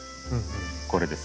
これです。